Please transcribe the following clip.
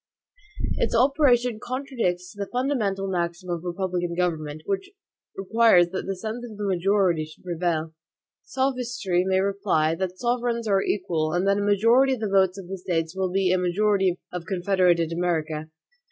Its operation contradicts the fundamental maxim of republican government, which requires that the sense of the majority should prevail. Sophistry may reply, that sovereigns are equal, and that a majority of the votes of the States will be a majority of confederated America.